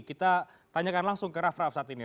kita tanyakan langsung ke raff raff saat ini